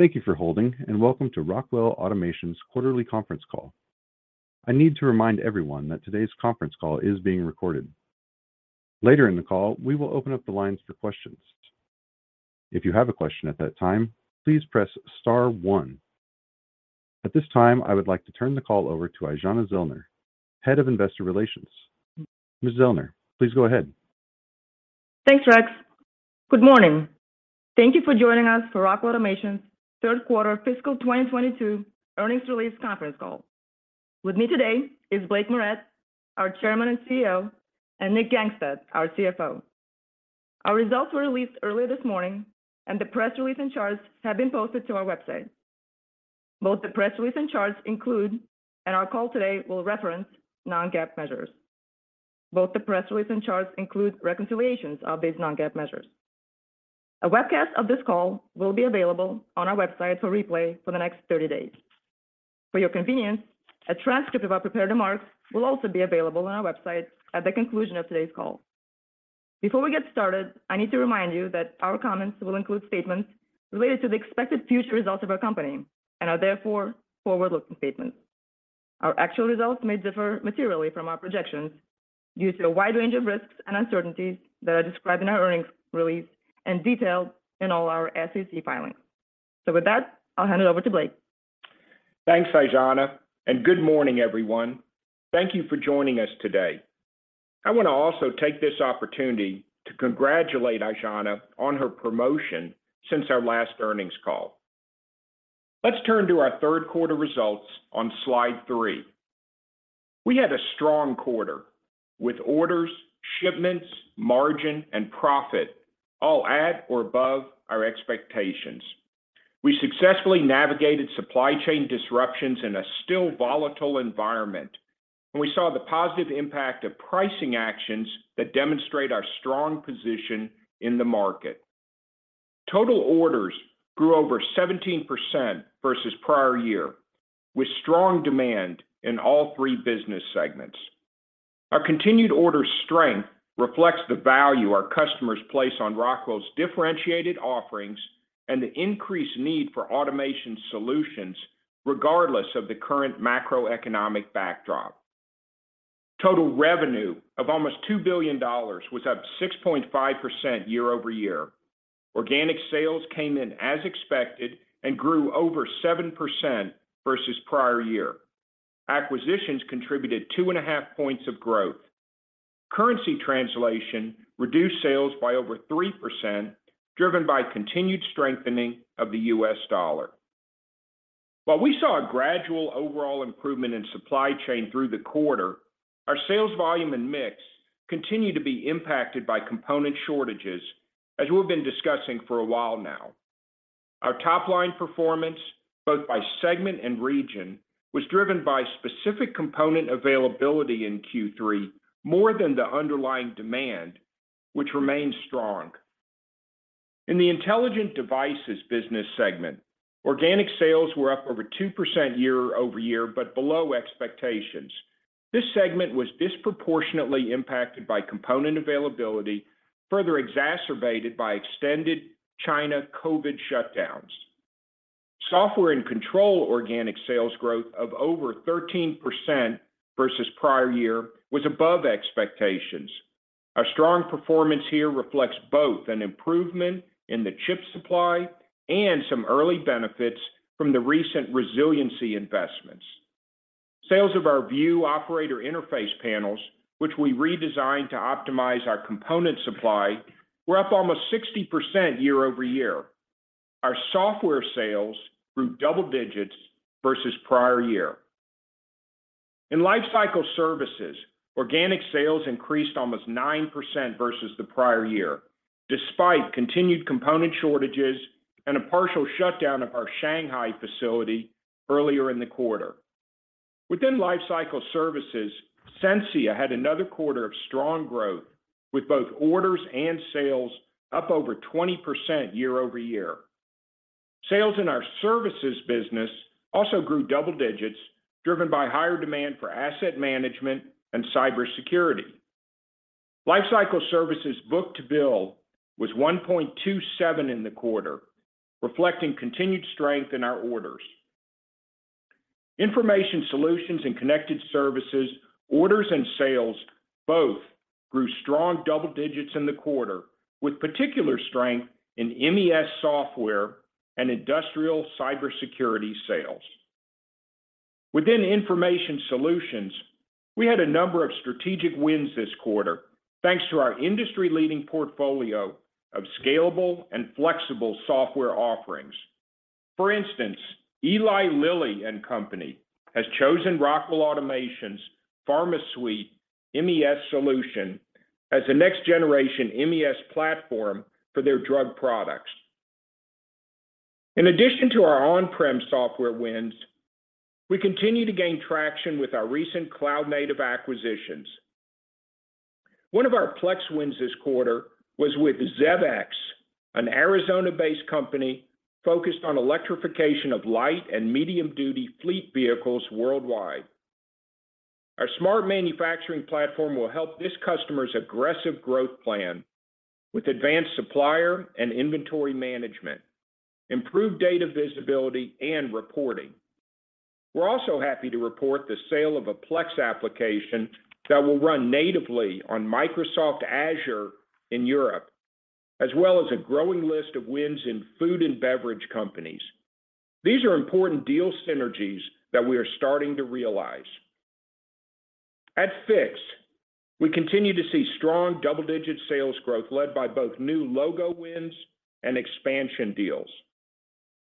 Thank you for holding, and welcome to Rockwell Automation's quarterly conference call. I need to remind everyone that today's conference call is being recorded. Later in the call, we will open up the lines for questions. If you have a question at that time, please press star one. At this time, I would like to turn the call over to Aijana Zellner, Head of Investor Relations. Ms. Zellner, please go ahead. Thanks, Rex. Good morning. Thank you for joining us for Rockwell Automation's third quarter fiscal 2022 earnings release conference call. With me today is Blake Moret, our Chairman and CEO, and Nick Gangestad, our CFO. Our results were released earlier this morning, and the press release and charts have been posted to our website. Both the press release and charts include, and our call today will reference non-GAAP measures. Both the press release and charts include reconciliations of these non-GAAP measures. A webcast of this call will be available on our website for replay for the next 30 days. For your convenience, a transcript of our prepared remarks will also be available on our website at the conclusion of today's call. Before we get started, I need to remind you that our comments will include statements related to the expected future results of our company and are therefore forward-looking statements. Our actual results may differ materially from our projections due to a wide range of risks and uncertainties that are described in our earnings release and detailed in all our SEC filings. With that, I'll hand it over to Blake. Thanks, Aijana, and good morning, everyone. Thank you for joining us today. I want to also take this opportunity to congratulate Aijana on her promotion since our last earnings call. Let's turn to our third quarter results on slide three. We had a strong quarter with orders, shipments, margin, and profit all at or above our expectations. We successfully navigated supply chain disruptions in a still volatile environment, and we saw the positive impact of pricing actions that demonstrate our strong position in the market. Total orders grew over 17% versus prior year, with strong demand in all three business segments. Our continued order strength reflects the value our customers place on Rockwell's differentiated offerings and the increased need for automation solutions regardless of the current macroeconomic backdrop. Total revenue of almost $2 billion was up 6.5% year-over-year. Organic sales came in as expected and grew over 7% versus prior year. Acquisitions contributed 2.5 points of growth. Currency translation reduced sales by over 3%, driven by continued strengthening of the U.S. dollar. While we saw a gradual overall improvement in supply chain through the quarter, our sales volume and mix continued to be impacted by component shortages, as we've been discussing for a while now. Our top-line performance, both by segment and region, was driven by specific component availability in Q3 more than the underlying demand, which remains strong. In the intelligent devices business segment, organic sales were up over 2% year-over-year, but below expectations. This segment was disproportionately impacted by component availability, further exacerbated by extended China COVID shutdowns. Software and control organic sales growth of over 13% versus prior year was above expectations. Our strong performance here reflects both an improvement in the chip supply and some early benefits from the recent resiliency investments. Sales of our View operator interface panels, which we redesigned to optimize our component supply, were up almost 60% year-over-year. Our software sales grew double digits versus prior year. In Lifecycle Services, organic sales increased almost 9% versus the prior year, despite continued component shortages and a partial shutdown of our Shanghai facility earlier in the quarter. Within Lifecycle Services, Sensia had another quarter of strong growth with both orders and sales up over 20% year-over-year. Sales in our services business also grew double digits, driven by higher demand for asset management and cybersecurity. Lifecycle Services book-to-bill was 1.27 in the quarter, reflecting continued strength in our orders. Information solutions and connected services, orders and sales both grew strong double digits in the quarter, with particular strength in MES software and industrial cybersecurity sales. Within information solutions, we had a number of strategic wins this quarter, thanks to our industry-leading portfolio of scalable and flexible software offerings. For instance, Eli Lilly and Company has chosen Rockwell Automation's PharmaSuite MES solution as the next generation MES platform for their drug products. In addition to our on-prem software wins, we continue to gain traction with our recent cloud-native acquisitions. One of our Plex wins this quarter was with ZEVx, an Arizona-based company focused on electrification of light and medium-duty fleet vehicles worldwide. Our smart manufacturing platform will help this customer's aggressive growth plan with advanced supplier and inventory management, improved data visibility and reporting. We're also happy to report the sale of a Plex application that will run natively on Microsoft Azure in Europe, as well as a growing list of wins in food and beverage companies. These are important deal synergies that we are starting to realize. At Fiix, we continue to see strong double-digit sales growth led by both new logo wins and expansion deals.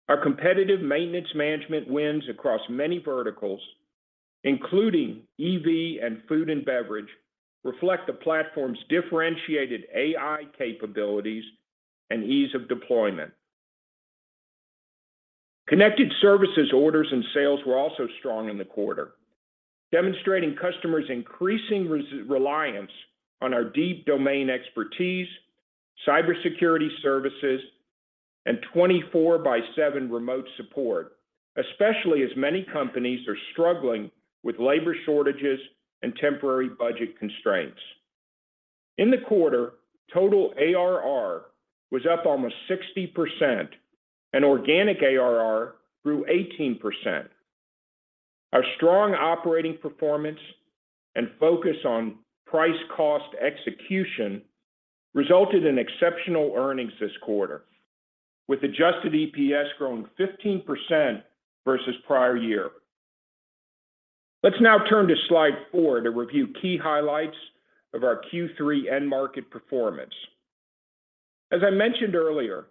Our competitive maintenance management wins across many verticals, including EV and food and beverage, reflect the platform's differentiated AI capabilities and ease of deployment. Connected services orders and sales were also strong in the quarter, demonstrating customers' increasing reliance on our deep domain expertise, cybersecurity services, and 24/7 remote support, especially as many companies are struggling with labor shortages and temporary budget constraints. In the quarter, total ARR was up almost 60% and organic ARR grew 18%. Our strong operating performance and focus on price cost execution resulted in exceptional earnings this quarter, with Adjusted EPS growing 15% versus prior year. Let's now turn to slide four to review key highlights of our Q3 end market performance. As I mentioned earlier,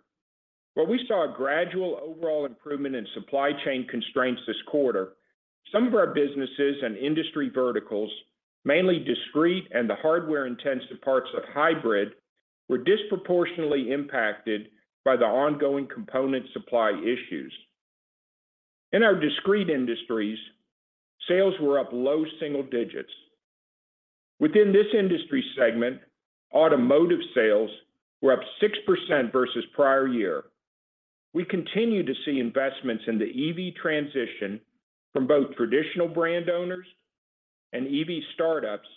while we saw a gradual overall improvement in supply chain constraints this quarter, some of our businesses and industry verticals, mainly Discrete and the hardware-intensive parts of Hybrid, were disproportionately impacted by the ongoing component supply issues. In our Discrete industries, sales were up low single digits. Within this industry segment, automotive sales were up 6% versus prior year. We continue to see investments in the EV transition from both traditional brand owners and EV startups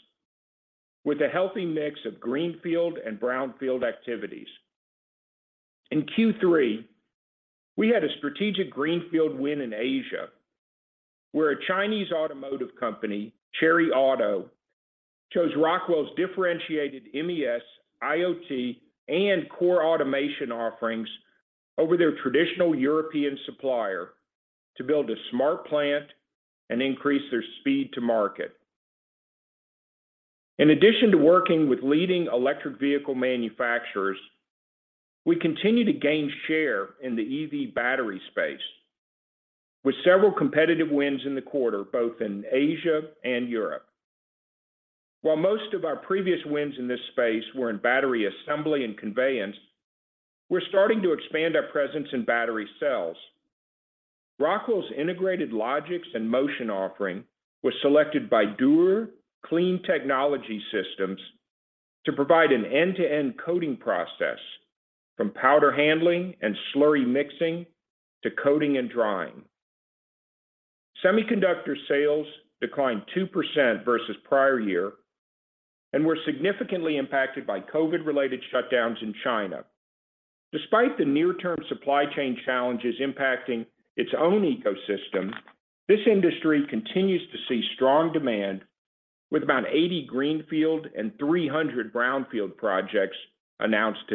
with a healthy mix of greenfield and brownfield activities. In Q3, we had a strategic greenfield win in Asia, where a Chinese automotive company, Chery Automobile, chose Rockwell's differentiated MES, IoT, and core automation offerings over their traditional European supplier to build a smart plant and increase their speed to market. In addition to working with leading electric vehicle manufacturers, we continue to gain share in the EV battery space with several competitive wins in the quarter, both in Asia and Europe. While most of our previous wins in this space were in battery assembly and conveyance, we're starting to expand our presence in battery cells. Rockwell's integrated Logix and motion offering was selected by Dürr Clean Technology Systems to provide an end-to-end coating process from powder handling and slurry mixing to coating and drying. Semiconductor sales declined 2% versus prior year and were significantly impacted by COVID-related shutdowns in China. Despite the near-term supply chain challenges impacting its own ecosystem, this industry continues to see strong demand with about 80 greenfield and 300 brownfield projects announced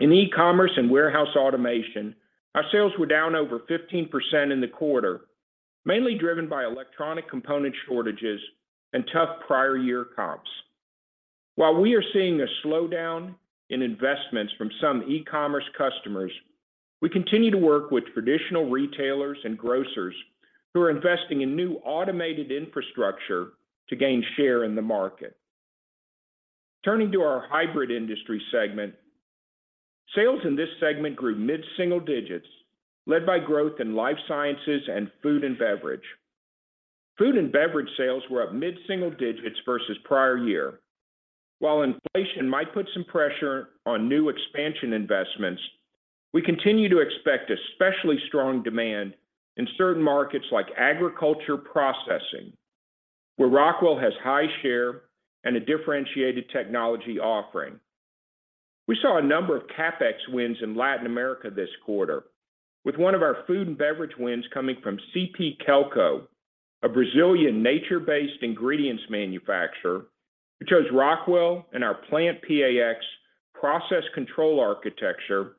to date. In e-commerce and warehouse automation, our sales were down over 15% in the quarter, mainly driven by electronic component shortages and tough prior year comps. While we are seeing a slowdown in investments from some e-commerce customers, we continue to work with traditional retailers and grocers who are investing in new automated infrastructure to gain share in the market. Turning to our hybrid industry segment, sales in this segment grew mid-single digits, led by growth in life sciences and food and beverage. Food and beverage sales were up mid-single digits versus prior year. While inflation might put some pressure on new expansion investments, we continue to expect especially strong demand in certain markets like agriculture processing, where Rockwell has high share and a differentiated technology offering. We saw a number of CapEx wins in Latin America this quarter, with one of our food and beverage wins coming from CP Kelco, a Brazilian nature-based ingredients manufacturer, who chose Rockwell and our PlantPAx process control architecture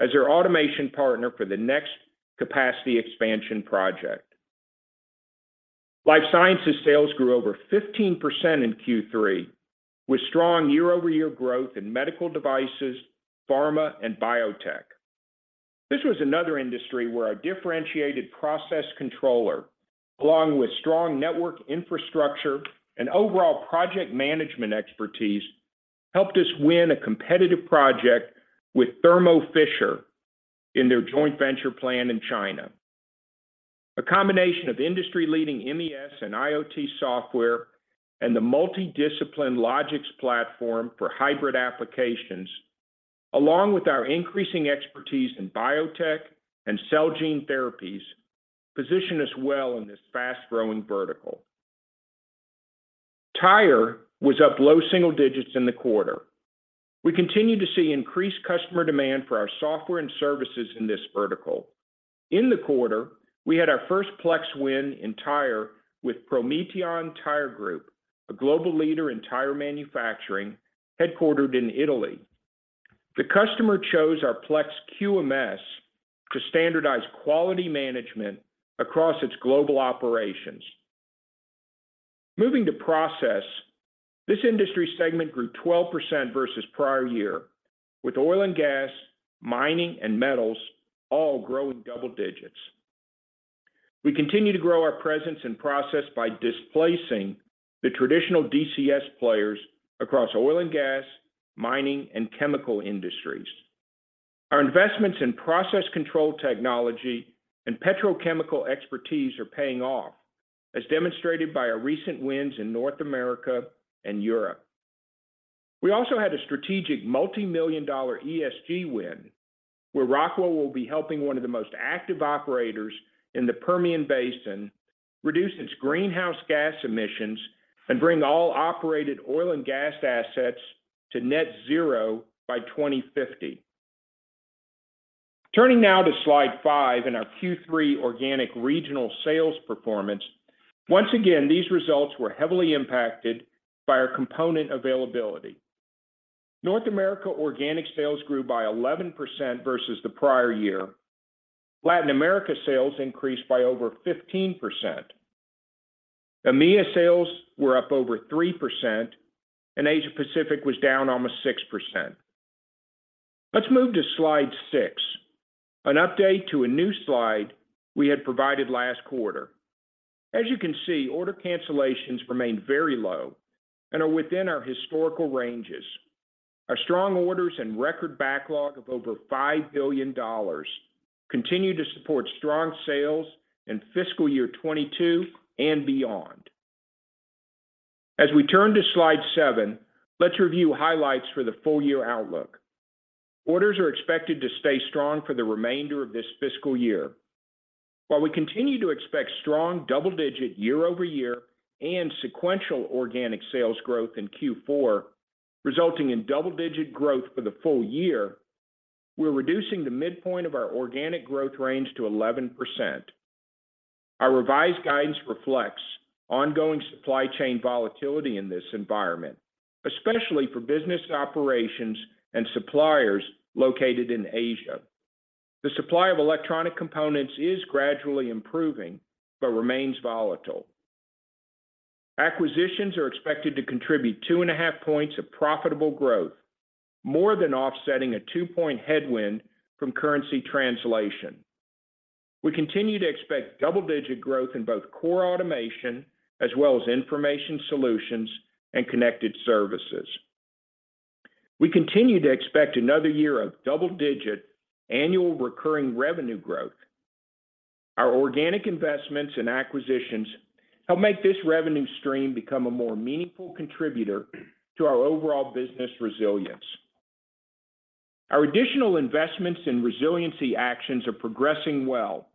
as their automation partner for the next capacity expansion project. Life sciences sales grew over 15% in Q3, with strong year-over-year growth in medical devices, pharma, and biotech. This was another industry where our differentiated process controller, along with strong network infrastructure and overall project management expertise, helped us win a competitive project with Thermo Fisher in their joint venture plant in China. A combination of industry-leading MES and IoT software and the multi-discipline Logix platform for hybrid applications. Along with our increasing expertise in biotech and cell gene therapies position us well in this fast-growing vertical. Tire was up low single digits in the quarter. We continue to see increased customer demand for our software and services in this vertical. In the quarter, we had our first Plex win in tire with Prometeon Tyre Group, a global leader in tire manufacturing, headquartered in Italy. The customer chose our Plex QMS to standardize quality management across its global operations. Moving to process, this industry segment grew 12% versus prior year, with oil and gas, mining, and metals all growing double digits. We continue to grow our presence in process by displacing the traditional DCS players across oil and gas, mining, and chemical industries. Our investments in process control technology and petrochemical expertise are paying off, as demonstrated by our recent wins in North America and Europe. We also had a strategic multi-million dollar ESG win, where Rockwell will be helping one of the most active operators in the Permian Basin reduce its greenhouse gas emissions and bring all operated oil and gas assets to net zero by 2050. Turning now to slide five and our Q3 organic regional sales performance. Once again, these results were heavily impacted by our component availability. North America organic sales grew by 11% versus the prior year. Latin America sales increased by over 15%. EMEA sales were up over 3%, and Asia-Pacific was down almost 6%. Let's move to slide six, an update to a new slide we had provided last quarter. As you can see, order cancellations remain very low and are within our historical ranges. Our strong orders and record backlog of over $5 billion continue to support strong sales in fiscal year 2022 and beyond. As we turn to slide seven, let's review highlights for the full year outlook. Orders are expected to stay strong for the remainder of this fiscal year. While we continue to expect strong double-digit year-over-year and sequential organic sales growth in Q4, resulting in double-digit growth for the full year, we're reducing the midpoint of our organic growth range to 11%. Our revised guidance reflects ongoing supply chain volatility in this environment, especially for business operations and suppliers located in Asia. The supply of electronic components is gradually improving but remains volatile. Acquisitions are expected to contribute 2.5 points of profitable growth, more than offsetting a 2-point headwind from currency translation. We continue to expect double-digit growth in both core automation as well as information solutions and connected services. We continue to expect another year of double-digit annual recurring revenue growth. Our organic investments and acquisitions help make this revenue stream become a more meaningful contributor to our overall business resilience. Our additional investments and resiliency actions are progressing well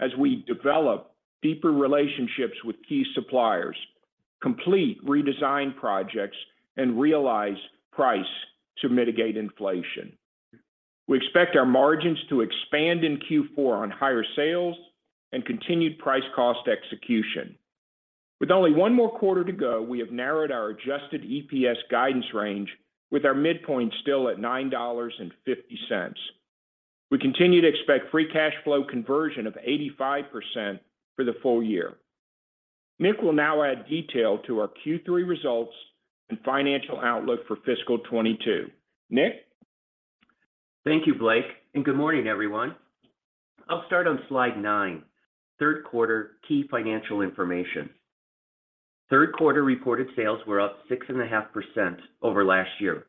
as we develop deeper relationships with key suppliers, complete redesign projects, and realize price to mitigate inflation. We expect our margins to expand in Q4 on higher sales and continued price cost execution. With only one more quarter to go, we have narrowed our Adjusted EPS guidance range with our midpoint still at $9.50. We continue to expect free cash flow conversion of 85% for the full year. Nick will now add detail to our Q3 results and financial outlook for fiscal 2022. Nick? Thank you, Blake, and good morning, everyone. I'll start on slide nine, third quarter key financial information. Third quarter reported sales were up 6.5% over last year,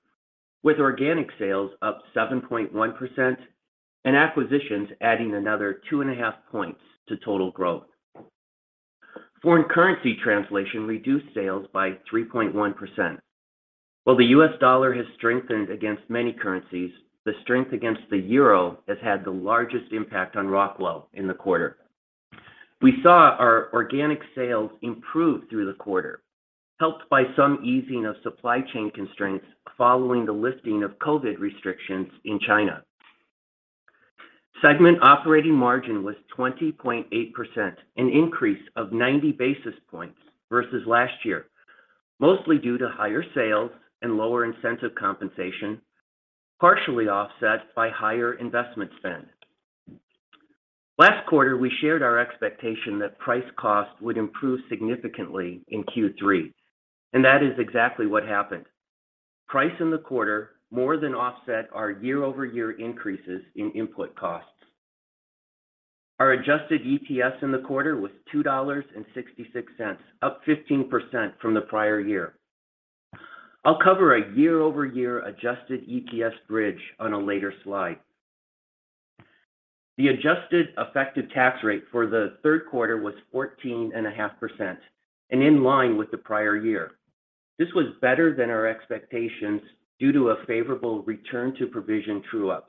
with organic sales up 7.1% and acquisitions adding another 2.5 points to total growth. Foreign currency translation reduced sales by 3.1%. While the U.S. dollar has strengthened against many currencies, the strength against the euro has had the largest impact on Rockwell in the quarter. We saw our organic sales improve through the quarter, helped by some easing of supply chain constraints following the lifting of COVID restrictions in China. Segment operating margin was 20.8%, an increase of 90 basis points versus last year, mostly due to higher sales and lower incentive compensation, partially offset by higher investment spend. Last quarter, we shared our expectation that price cost would improve significantly in Q3, and that is exactly what happened. Price in the quarter more than offset our year-over-year increases in input costs. Our Adjusted EPS in the quarter was $2.66, up 15% from the prior year. I'll cover a year-over-year Adjusted EPS bridge on a later slide. The Adjusted effective tax rate for the third quarter was 14.5% and in line with the prior year. This was better than our expectations due to a favorable return to provision true up.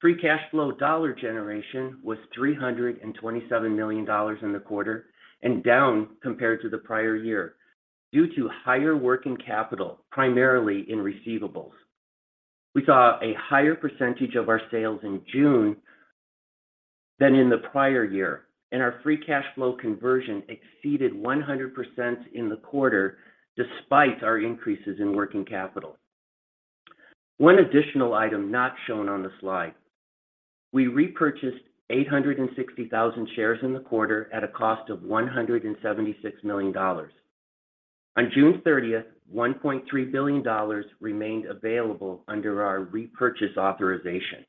Free cash flow dollar generation was $327 million in the quarter, and down compared to the prior year due to higher working capital, primarily in receivables. We saw a higher percentage of our sales in June than in the prior year, and our free cash flow conversion exceeded 100% in the quarter despite our increases in working capital. One additional item not shown on the slide. We repurchased 860,000 shares in the quarter at a cost of $176 million. On June 30th, $1.3 billion remained available under our repurchase authorization.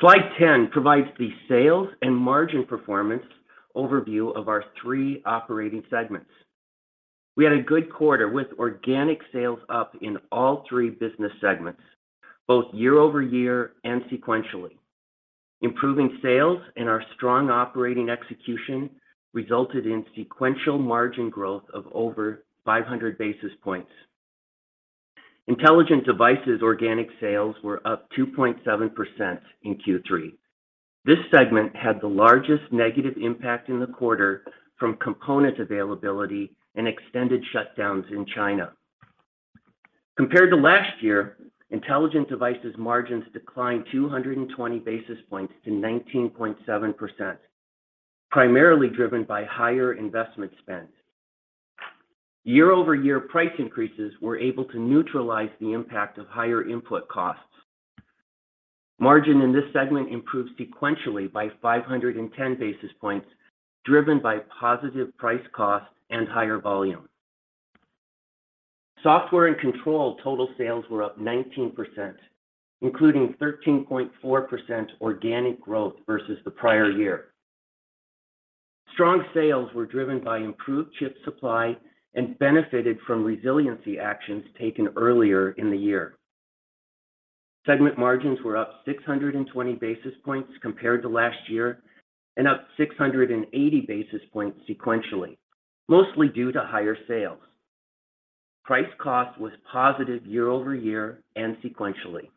Slide 10 provides the sales and margin performance overview of our three operating segments. We had a good quarter with organic sales up in all three business segments, both year over year and sequentially. Improving sales and our strong operating execution resulted in sequential margin growth of over 500 basis points. Intelligent devices organic sales were up 2.7% in Q3. This segment had the largest negative impact in the quarter from component availability and extended shutdowns in China. Compared to last year, intelligent devices margins declined 220 basis points to 19.7%, primarily driven by higher investment spend. Year-over-year price increases were able to neutralize the impact of higher input costs. Margin in this segment improved sequentially by 510 basis points, driven by positive price cost and higher volume. Software and control total sales were up 19%, including 13.4% organic growth versus the prior year. Strong sales were driven by improved chip supply and benefited from resiliency actions taken earlier in the year. Segment margins were up 620 basis points compared to last year, and up 680 basis points sequentially, mostly due to higher sales. Price-cost was positive year-over-year and sequentially.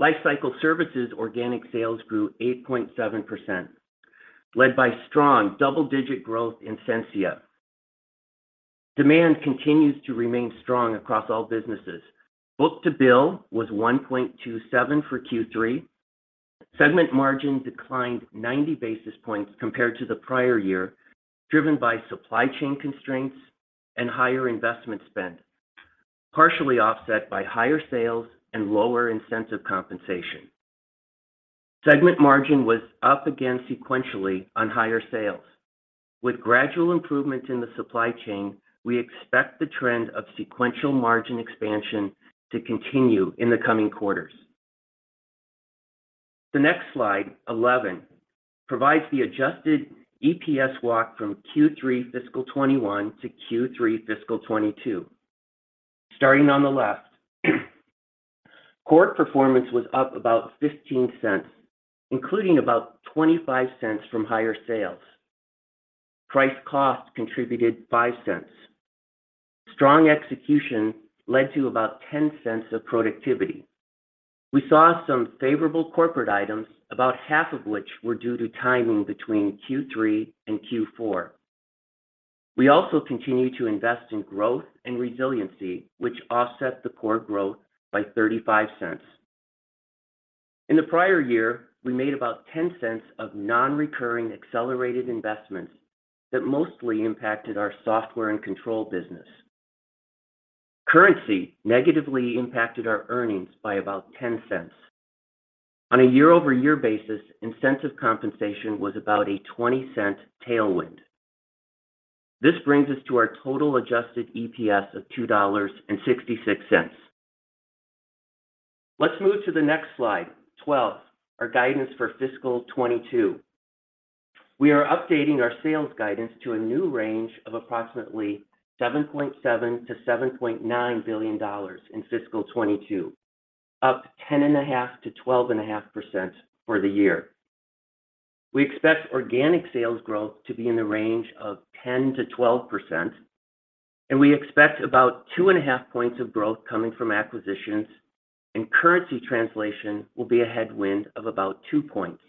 Lifecycle services organic sales grew 8.7%, led by strong double-digit growth in Sensia. Demand continues to remain strong across all businesses. Book-to-bill was 1.27 for Q3. Segment margin declined 90 basis points compared to the prior year, driven by supply chain constraints and higher investment spend, partially offset by higher sales and lower incentive compensation. Segment margin was up again sequentially on higher sales. With gradual improvements in the supply chain, we expect the trend of sequential margin expansion to continue in the coming quarters. The next slide, 11, provides the adjusted EPS walk from Q3 fiscal 2021 to Q3 fiscal 2022. Starting on the left, core performance was up about $0.15, including about $0.25 from higher sales. Price-cost contributed $0.05. Strong execution led to about $0.10 of productivity. We saw some favorable corporate items, about half of which were due to timing between Q3 and Q4. We also continue to invest in growth and resiliency, which offset the core growth by $0.35. In the prior year, we made about $0.10 of non-recurring accelerated investments that mostly impacted our software and control business. Currency negatively impacted our earnings by about $0.10. On a year-over-year basis, incentive compensation was about a $0.20 tailwind. This brings us to our total adjusted EPS of $2.66. Let's move to the next slide, 12, our guidance for fiscal 2022. We are updating our sales guidance to a new range of approximately $7.7 billion-$7.9 billion in fiscal 2022, up 10.5%-12.5% for the year. We expect organic sales growth to be in the range of 10%-12%, and we expect about 2.5 points of growth coming from acquisitions, and currency translation will be a headwind of about 2 points.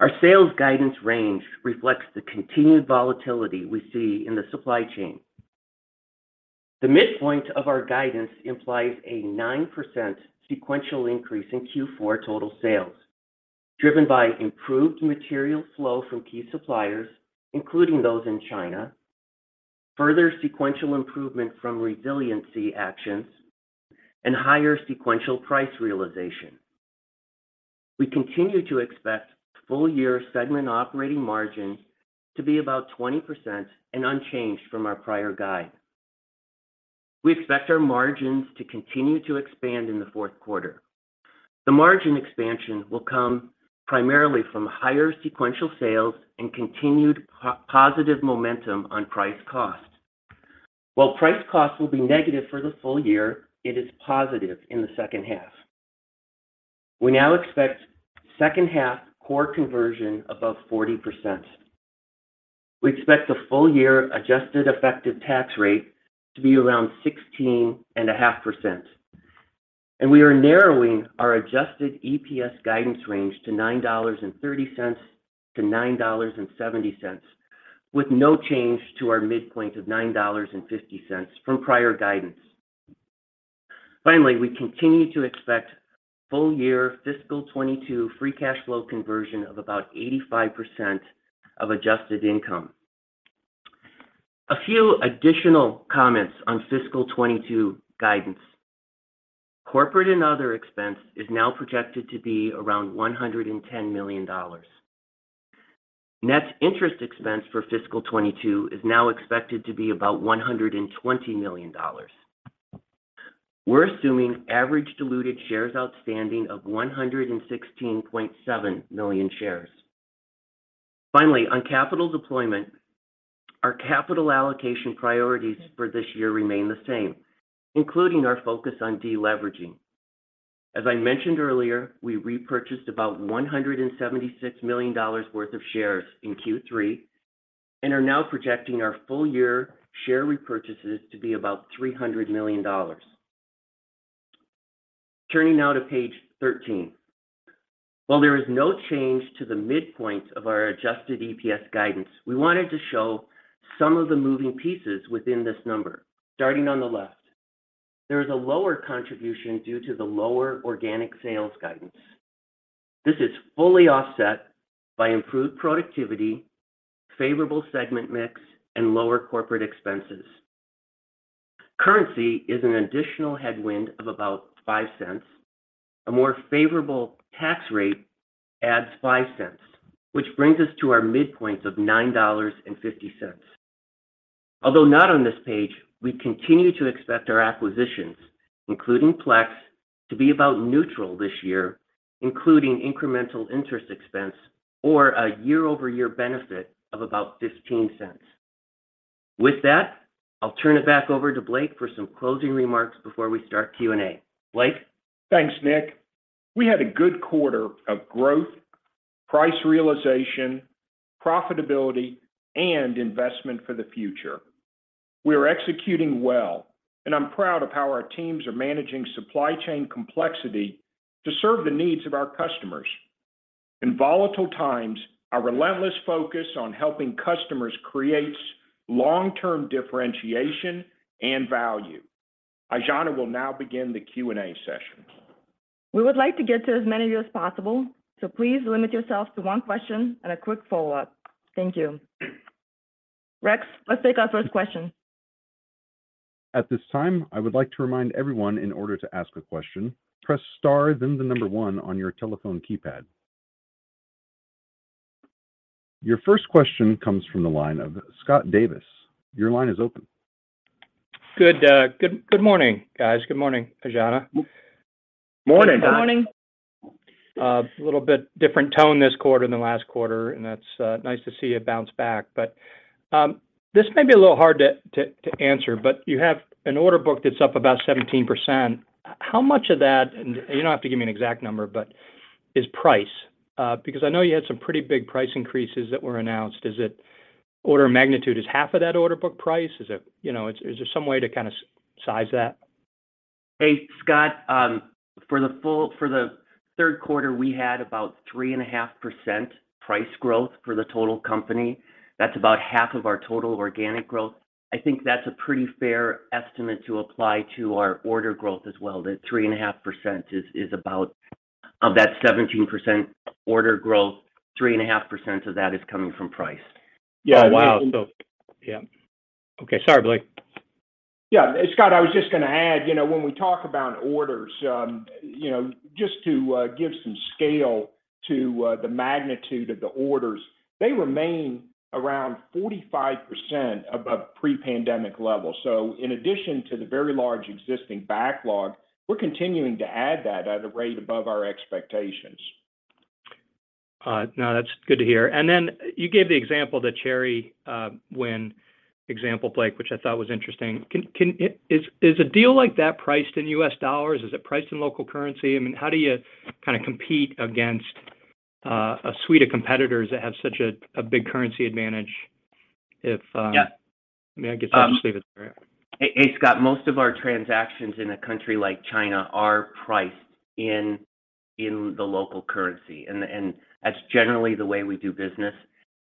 Our sales guidance range reflects the continued volatility we see in the supply chain. The midpoint of our guidance implies a 9% sequential increase in Q4 total sales, driven by improved material flow from key suppliers, including those in China, further sequential improvement from resiliency actions, and higher sequential price realization. We continue to expect full year segment operating margin to be about 20% and unchanged from our prior guide. We expect our margins to continue to expand in the fourth quarter. The margin expansion will come primarily from higher sequential sales and continued positive momentum on price cost. While price cost will be negative for the full year, it is positive in the second half. We now expect second half core conversion above 40%. We expect the full year adjusted effective tax rate to be around 16.5%. We are narrowing our adjusted EPS guidance range to $9.30-$9.70, with no change to our midpoint of $9.50 from prior guidance. Finally, we continue to expect full year fiscal 2022 free cash flow conversion of about 85% of adjusted income. A few additional comments on fiscal 2022 guidance. Corporate and other expense is now projected to be around $110 million. Net interest expense for fiscal 2022 is now expected to be about $120 million. We're assuming average diluted shares outstanding of 116.7 million shares. Finally, on capital deployment, our capital allocation priorities for this year remain the same, including our focus on de-leveraging. As I mentioned earlier, we repurchased about $176 million worth of shares in Q3, and are now projecting our full year share repurchases to be about $300 million. Turning now to page 13. While there is no change to the midpoint of our Adjusted EPS guidance, we wanted to show some of the moving pieces within this number. Starting on the left, there is a lower contribution due to the lower organic sales guidance. This is fully offset by improved productivity, favorable segment mix, and lower corporate expenses. Currency is an additional headwind of about $0.05. A more favorable tax rate adds $0.05, which brings us to our midpoints of $9.50. Although not on this page, we continue to expect our acquisitions, including Plex, to be about neutral this year, including incremental interest expense or a year-over-year benefit of about $0.15. With that, I'll turn it back over to Blake for some closing remarks before we start Q&A. Blake? Thanks, Nick. We had a good quarter of growth, price realization, profitability, and investment for the future. We are executing well, and I'm proud of how our teams are managing supply chain complexity to serve the needs of our customers. In volatile times, our relentless focus on helping customers creates long-term differentiation and value. Aijana will now begin the Q&A session. We would like to get to as many of you as possible, so please limit yourself to one question and a quick follow-up. Thank you. Rex, let's take our first question. At this time, I would like to remind everyone in order to ask a question, press star then the number one on your telephone keypad. Your first question comes from the line of Scott Davis. Your line is open. Good morning, guys. Good morning, Aijana. Morning. Morning. A little bit different tone this quarter than last quarter, and that's nice to see it bounce back. This may be a little hard to answer, but you have an order book that's up about 17%. How much of that, and you don't have to give me an exact number, but is price? Because I know you had some pretty big price increases that were announced. Is it order of magnitude? Is half of that order book price? You know, is there some way to kind of size that? Hey, Scott. For the third quarter, we had about 3.5% price growth for the total company. That's about half of our total organic growth. I think that's a pretty fair estimate to apply to our order growth as well. Of that 17% order growth, 3.5% of that is coming from price. Yeah. Wow. Oh, and- Yeah. Okay. Sorry, Blake. Yeah. Scott, I was just gonna add, you know, when we talk about orders, you know, just to give some scale to the magnitude of the orders, they remain around 45% above pre-pandemic levels. In addition to the very large existing backlog, we're continuing to add that at a rate above our expectations. No, that's good to hear. You gave the example, the Chery win example, Blake, which I thought was interesting. Is a deal like that priced in U.S. dollars? Is it priced in local currency? I mean, how do you kind of compete against a suite of competitors that have such a big currency advantage if- Yeah. I mean, I guess I'll just leave it there. Hey, Scott, most of our transactions in a country like China are priced in the local currency, and that's generally the way we do business.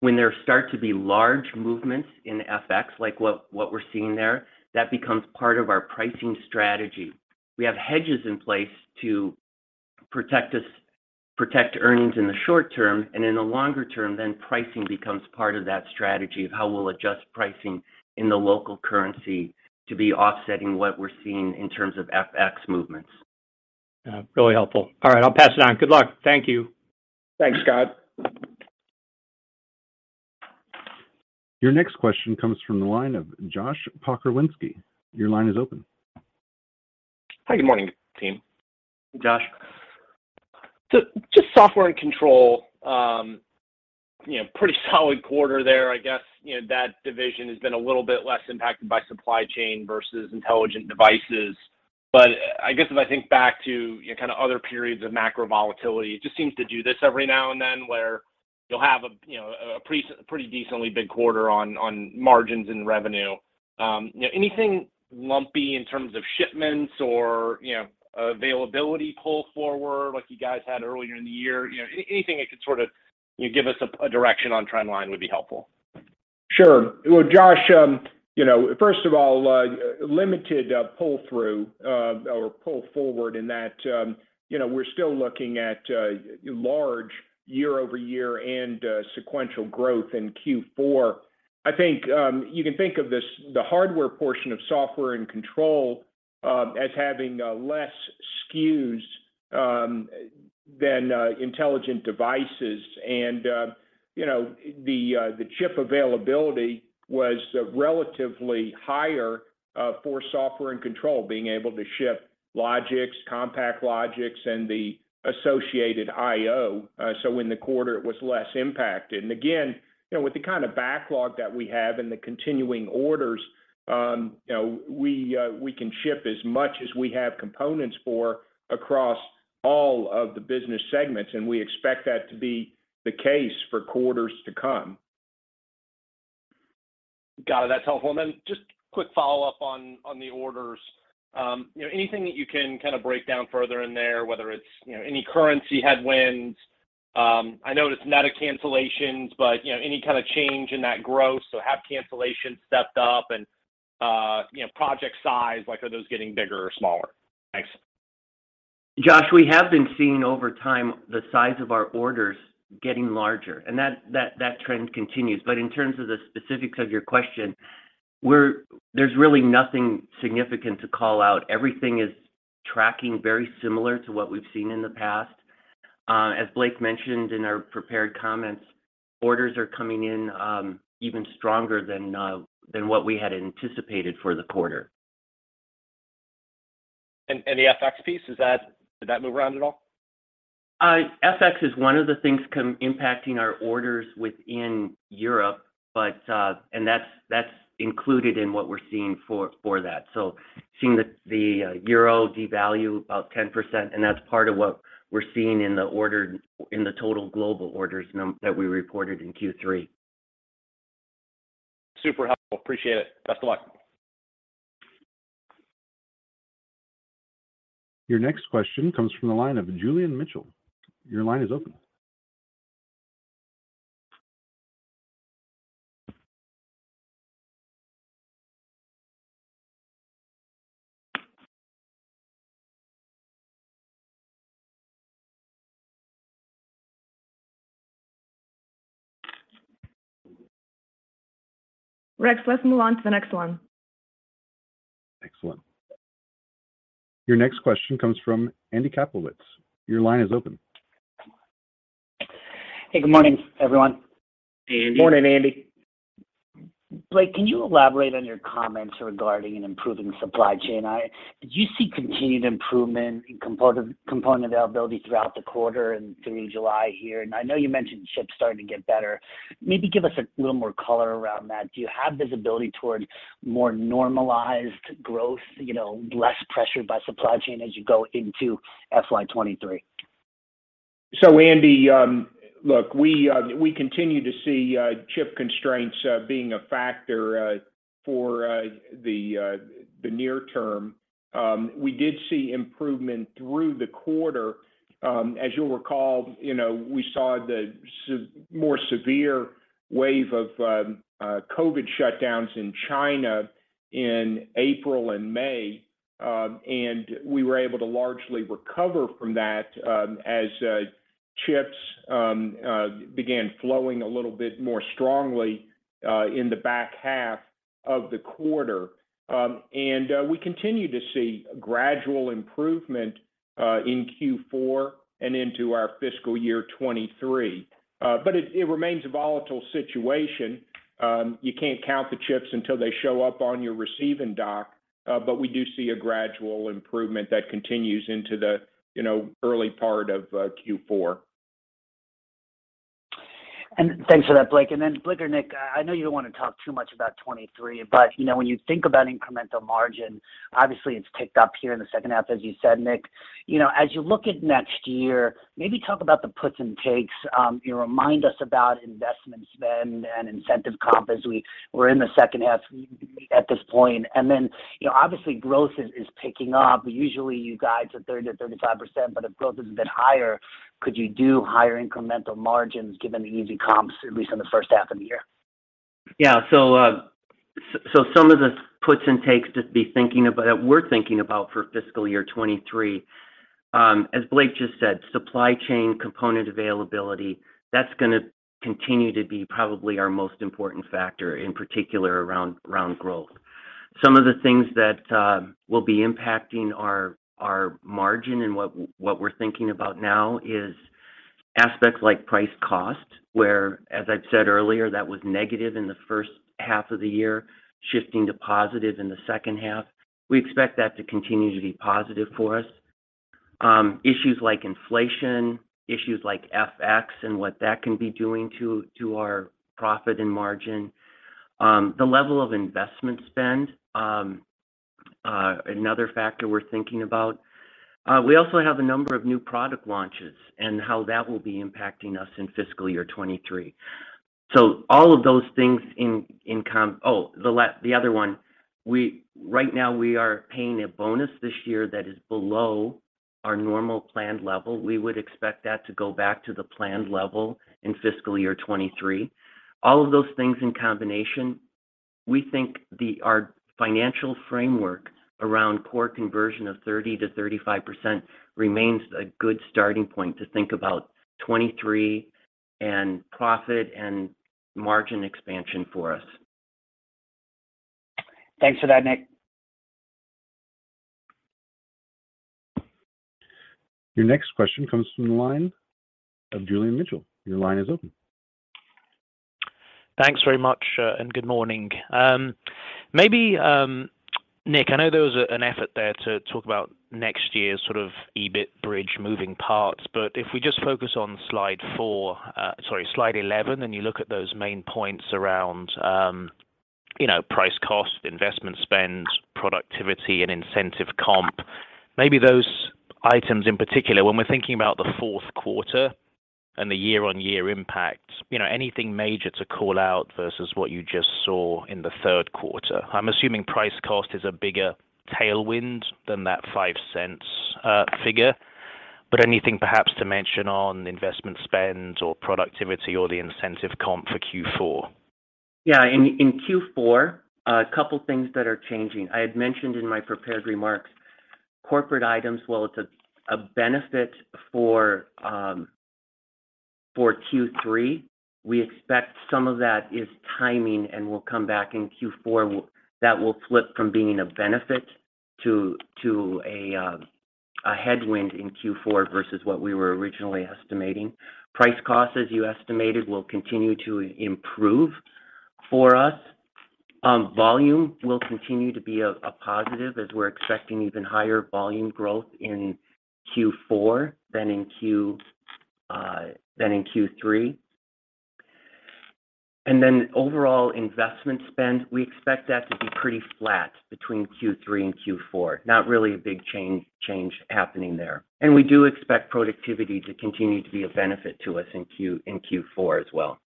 When there start to be large movements in FX, like what we're seeing there, that becomes part of our pricing strategy. We have hedges in place to protect us, protect earnings in the short term, and in the longer term, then pricing becomes part of that strategy of how we'll adjust pricing in the local currency to be offsetting what we're seeing in terms of FX movements. Yeah. Really helpful. All right, I'll pass it on. Good luck. Thank you. Thanks, Scott. Your next question comes from the line of Josh Pokrzywinski. Your line is open. Hi. Good morning, team. Josh. Just software and control, you know, pretty solid quarter there. I guess, you know, that division has been a little bit less impacted by supply chain versus intelligent devices. I guess, as I think back to, you know, kind of other periods of macro volatility, it just seems to do this every now and then, where you'll have a, you know, a pretty decently big quarter on margins and revenue. You know, anything lumpy in terms of shipments or, you know, availability pull forward like you guys had earlier in the year? You know, anything that could sort of, you know, give us a direction on trend line would be helpful. Sure. Well, Josh, you know, first of all, limited pull-through or pull forward in that, you know, we're still looking at large year-over-year and sequential growth in Q4. I think you can think of this, the hardware portion of Software & Control as having less SKUs than intelligent devices. You know the chip availability was relatively higher for Software & Control being able to ship Logix, CompactLogix, and the associated IO, so in the quarter it was less impacted. Again, you know, with the kind of backlog that we have and the continuing orders, you know, we can ship as much as we have components for across all of the business segments, and we expect that to be the case for quarters to come. Got it. That's helpful. Then just quick follow-up on the orders. You know, anything that you can kind of break down further in there, whether it's, you know, any currency headwinds? I noticed net of cancellations, but, you know, any kind of change in that growth? Have cancellations stepped up? You know, project size, like are those getting bigger or smaller? Thanks. Josh, we have been seeing over time the size of our orders getting larger, and that trend continues. In terms of the specifics of your question, there's really nothing significant to call out. Everything is tracking very similar to what we've seen in the past. As Blake mentioned in our prepared comments, orders are coming in even stronger than what we had anticipated for the quarter. The FX piece, did that move around at all? FX is one of the things impacting our orders within Europe, but that's included in what we're seeing for that. Seeing the euro devalue about 10%, and that's part of what we're seeing in the order, in the total global orders that we reported in Q3. Super helpful. Appreciate it. Best of luck. Your next question comes from the line of Julian Mitchell. Your line is open. Rex, let's move on to the next one. Excellent. Your next question comes from Andy Kaplowitz. Your line is open. Hey, good morning, everyone. Hey, Andy. Morning, Andy. Blake, can you elaborate on your comments regarding an improving supply chain? Did you see continued improvement in component availability throughout the quarter and through July here? I know you mentioned chips starting to get better. Maybe give us a little more color around that. Do you have visibility towards more normalized growth, you know, less pressured by supply chain as you go into FY 2023? Andy, look, we continue to see chip constraints being a factor for the near term. We did see improvement through the quarter. As you'll recall, you know, we saw more severe wave of COVID shutdowns in China in April and May. We were able to largely recover from that, as chips began flowing a little bit more strongly in the back half of the quarter. We continue to see gradual improvement in Q4 and into our fiscal year 2023. It remains a volatile situation. You can't count the chips until they show up on your receiving dock. We do see a gradual improvement that continues into the, you know, early part of Q4. Thanks for that, Blake. Blake or Nick, I know you don't wanna talk too much about 2023, but, you know, when you think about incremental margin, obviously it's ticked up here in the second half, as you said, Nick. You know, as you look at next year, maybe talk about the puts and takes. You know, remind us about investment spend and incentive comp as we're in the second half at this point. You know, obviously growth is picking up. Usually you guys are 30%-35%, but if growth is a bit higher, could you do higher incremental margins given the easy comps, at least in the first half of the year? Some of the puts and takes to be thinking about that we're thinking about for fiscal year 2023, as Blake just said, supply chain component availability, that's gonna continue to be probably our most important factor, in particular around growth. Some of the things that will be impacting our margin and what we're thinking about now is aspects like price cost, where, as I've said earlier, that was negative in the first half of the year, shifting to positive in the second half. We expect that to continue to be positive for us. Issues like inflation, issues like FX and what that can be doing to our profit and margin. The level of investment spend, another factor we're thinking about. We also have a number of new product launches and how that will be impacting us in fiscal year 2023. All of those things, the other one. Right now, we are paying a bonus this year that is below our normal planned level. We would expect that to go back to the planned level in fiscal year 2023. All of those things in combination, we think our financial framework around core conversion of 30%-35% remains a good starting point to think about 2023 and profit and margin expansion for us. Thanks for that, Nick. Your next question comes from the line of Julian Mitchell. Your line is open. Thanks very much, and good morning. Maybe, Nick, I know there was an effort there to talk about next year's sort of EBIT bridge moving parts, but if we just focus on slide eleven, and you look at those main points around, you know, price cost, investment spend, productivity, and incentive comp, maybe those items in particular, when we're thinking about the fourth quarter and the year-on-year impact, you know, anything major to call out versus what you just saw in the third quarter? I'm assuming price cost is a bigger tailwind than that $0.05 figure. Anything perhaps to mention on investment spend or productivity or the incentive comp for Q4? Yeah. In Q4, a couple things that are changing. I had mentioned in my prepared remarks, corporate items, while it's a benefit for Q3, we expect some of that is timing and will come back in Q4. That will flip from being a benefit to a headwind in Q4 versus what we were originally estimating. Price cost, as you estimated, will continue to improve for us. Volume will continue to be a positive as we're expecting even higher volume growth in Q4 than in Q3. Then overall investment spend, we expect that to be pretty flat between Q3 and Q4. Not really a big change happening there. We do expect productivity to continue to be a benefit to us in Q4 as well.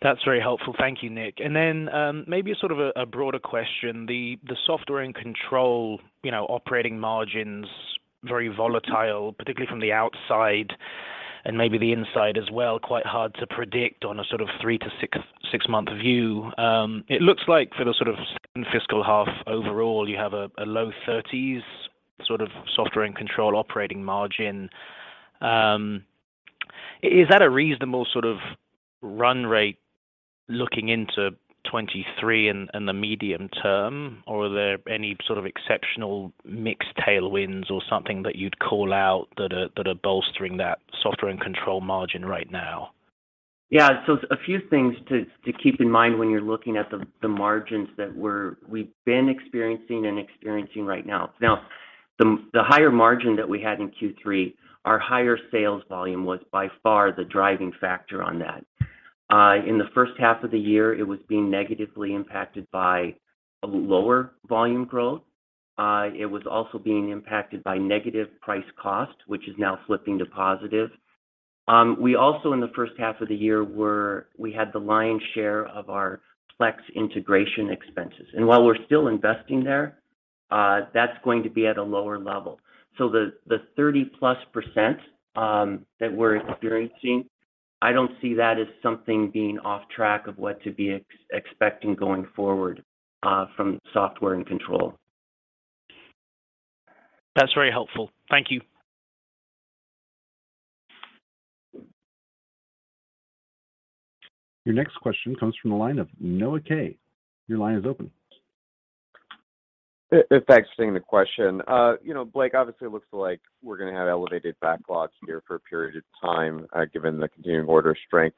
That's very helpful. Thank you, Nick. Maybe sort of a broader question. The Software & Control operating margins very volatile, particularly from the outside and maybe the inside as well, quite hard to predict on a sort of 3- to 6-month view. It looks like for the sort of second fiscal half overall, you have a low 30s% sort of Software & Control operating margin. Is that a reasonable sort of run rate looking into 2023 in the medium term, or are there any sort of exceptional mix tailwinds or something that you'd call out that are bolstering that Software & Control margin right now? Yeah. A few things to keep in mind when you're looking at the margins that we've been experiencing right now. The higher margin that we had in Q3, our higher sales volume was by far the driving factor on that. In the first half of the year, it was being negatively impacted by lower volume growth. It was also being impacted by negative price cost, which is now flipping to positive. We also in the first half of the year had the lion's share of our Plex integration expenses. While we're still investing there, that's going to be at a lower level. The 30+% that we're experiencing, I don't see that as something being off track of what to be expecting going forward from software and control. That's very helpful. Thank you. Your next question comes from the line of Noah Kaye. Your line is open. Thanks for taking the question. You know, Blake, obviously it looks like we're gonna have elevated backlogs here for a period of time, given the continuing order strength.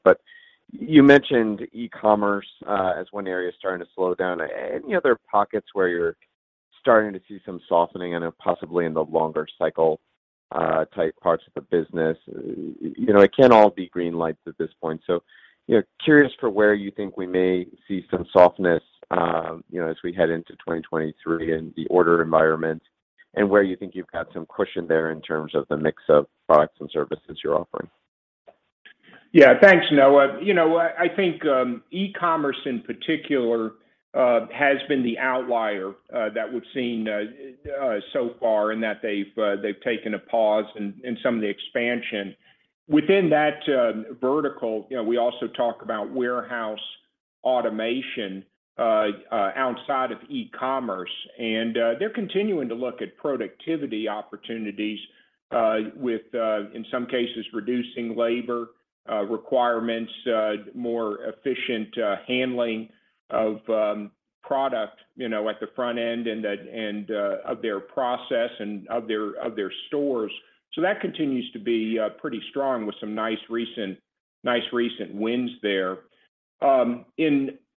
You mentioned e-commerce as one area starting to slow down. Any other pockets where you're starting to see some softening and possibly in the longer cycle type parts of the business? You know, it can't all be green lights at this point. You know, curious for where you think we may see some softness, you know, as we head into 2023 in the order environment and where you think you've got some cushion there in terms of the mix of products and services you're offering. Yeah. Thanks, Noah. You know, I think e-commerce in particular has been the outlier that we've seen so far in that they've taken a pause in some of the expansion. Within that vertical, you know, we also talk about warehouse automation outside of e-commerce. They're continuing to look at productivity opportunities with in some cases reducing labor requirements more efficient handling of product, you know, at the front end and the of their process and of their stores. So that continues to be pretty strong with some nice recent wins there.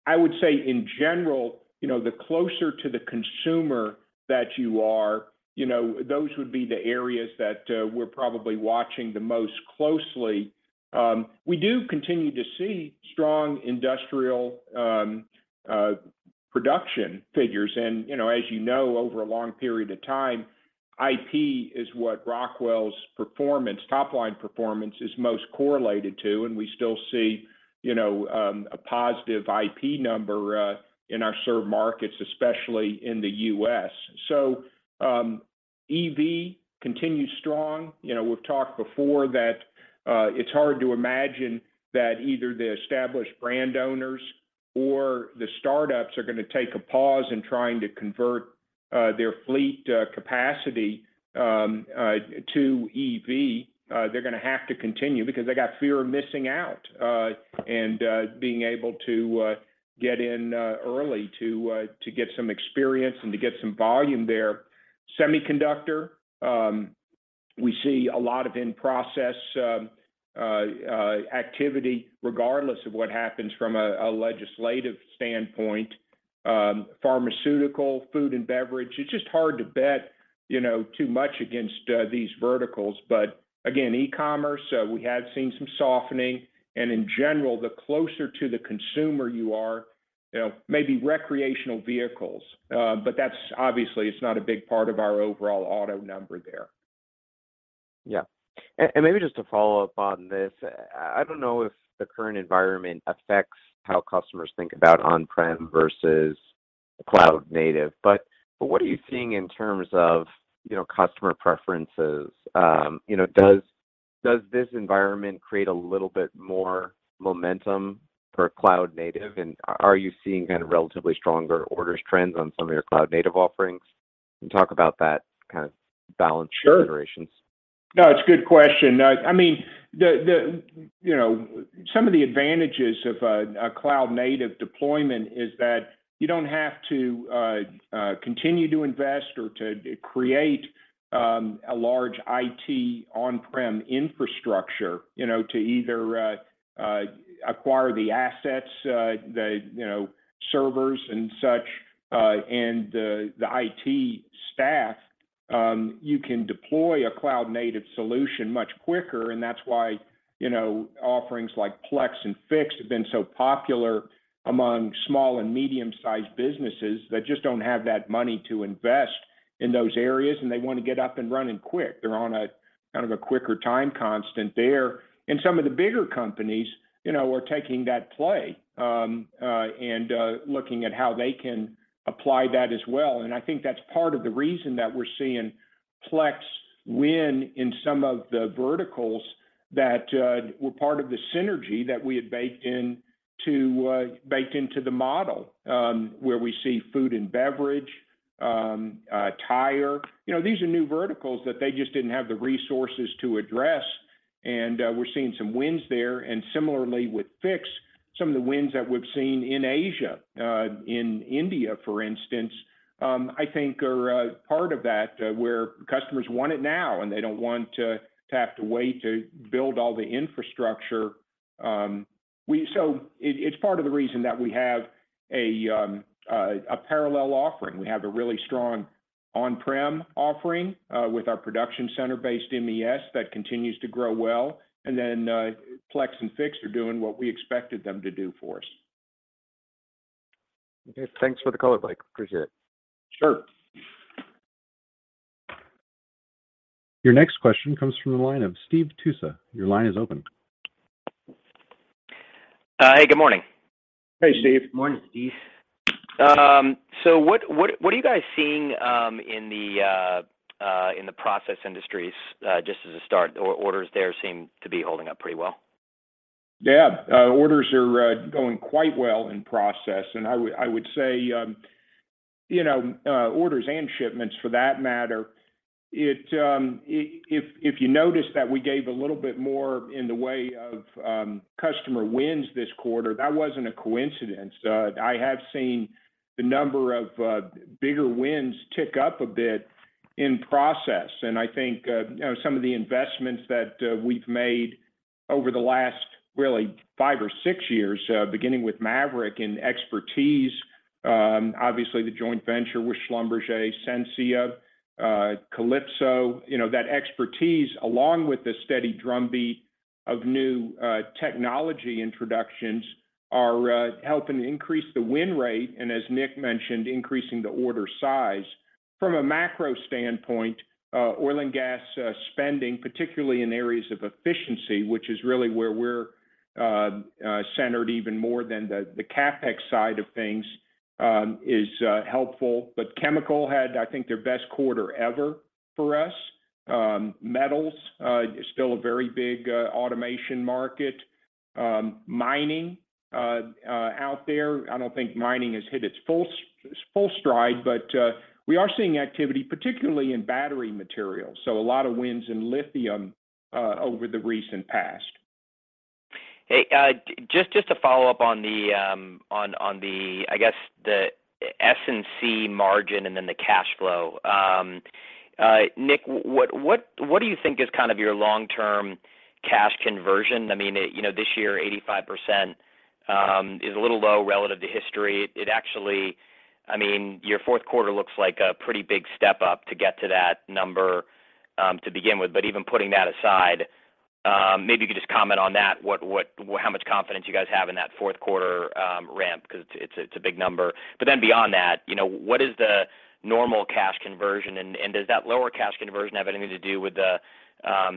I would say in general, you know, the closer to the consumer that you are, you know, those would be the areas that we're probably watching the most closely. We do continue to see strong industrial production figures and, you know, as you know, over a long period of time, IP is what Rockwell's performance, top line performance is most correlated to, and we still see, you know, a positive IP number in our served markets, especially in the U.S. EV continues strong. You know, we've talked before that it's hard to imagine that either the established brand owners or the startups are gonna take a pause in trying to convert their fleet capacity to EV. They're gonna have to continue because they got fear of missing out and being able to get in early to get some experience and to get some volume there. Semiconductor, we see a lot of in-process activity regardless of what happens from a legislative standpoint. Pharmaceutical, food and beverage, it's just hard to bet, you know, too much against these verticals. Again, e-commerce, we have seen some softening and in general, the closer to the consumer you are, you know, maybe recreational vehicles. That's obviously, it's not a big part of our overall auto number there. Yeah. Maybe just to follow up on this, I don't know if the current environment affects how customers think about on-prem versus cloud native, but what are you seeing in terms of, you know, customer preferences? You know, does this environment create a little bit more momentum for cloud native? Are you seeing kind of relatively stronger orders trends on some of your cloud native offerings? Can you talk about that kind of balance considerations? Sure. No, it's a good question. I mean, you know, some of the advantages of a cloud native deployment is that you don't have to continue to invest or to create a large IT on-prem infrastructure, you know, to either acquire the assets, you know, the servers and such, and the IT staff. You can deploy a cloud native solution much quicker, and that's why, you know, offerings like Plex and Fiix have been so popular among small and medium-sized businesses that just don't have that money to invest in those areas, and they want to get up and running quick. They're on a kind of a quicker time constant there. Some of the bigger companies, you know, are taking that play and looking at how they can apply that as well. I think that's part of the reason that we're seeing Plex win in some of the verticals that were part of the synergy that we had baked into the model, where we see food and beverage, tire. You know, these are new verticals that they just didn't have the resources to address, and we're seeing some wins there. Similarly with Fiix, some of the wins that we've seen in Asia, in India, for instance, I think are part of that, where customers want it now and they don't want to have to wait to build all the infrastructure. It's part of the reason that we have a parallel offering. We have a really strong on-prem offering, with our FactoryTalk ProductionCentre based MES that continues to grow well. Plex and Fiix are doing what we expected them to do for us. Okay. Thanks for the color, Blake. Appreciate it. Sure. Your next question comes from the line of Steve Tusa. Your line is open. Hey, good morning. Hey, Steve. Morning, Steve. What are you guys seeing in the process industries just as a start? Orders there seem to be holding up pretty well. Yeah. Orders are going quite well in process and I would say, you know, orders and shipments for that matter. If you notice that we gave a little bit more in the way of customer wins this quarter, that wasn't a coincidence. I have seen the number of bigger wins tick up a bit in process. I think, you know, some of the investments that we've made over the last really five or six years, beginning with Maverick and expertise, obviously the joint venture with Schlumberger, Sensia, Kalypso. You know, that expertise along with the steady drumbeat of new technology introductions are helping increase the win rate and as Nick mentioned, increasing the order size. From a macro standpoint, oil and gas spending, particularly in areas of efficiency, which is really where we're centered even more than the CapEx side of things, is helpful. Chemical had, I think, their best quarter ever for us. Metals is still a very big automation market. Mining out there, I don't think mining has hit its full stride, but we are seeing activity, particularly in battery materials, so a lot of wins in lithium over the recent past. Hey, just to follow up on the, I guess the S&C margin and then the cash flow. Nick, what do you think is kind of your long-term cash conversion? I mean, it, you know, this year 85% is a little low relative to history. It actually, I mean, your fourth quarter looks like a pretty big step up to get to that number, to begin with. Even putting that aside, maybe you could just comment on that. What, how much confidence you guys have in that fourth quarter ramp because it's a big number. But then beyond that, you know, what is the normal cash conversion and does that lower cash conversion have anything to do with the,